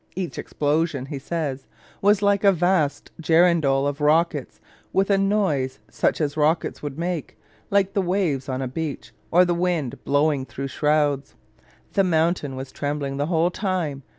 "Each explosion," he says, "was like a vast girandole of rockets, with a noise (such as rockets would make) like the waves on a beach, or the wind blowing through shrouds. The mountain was trembling the whole time.